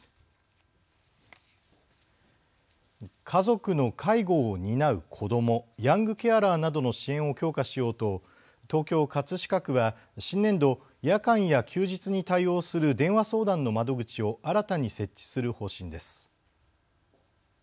家族の介護を担う子ども、ヤングケアラーなどの支援を強化しようと東京葛飾区は新年度、夜間や休日に対応する電話相談の窓口を新たに設置する方針です。